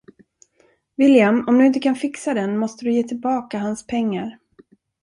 William, om du inte kan fixa den måste du ge tillbaka hans pengar.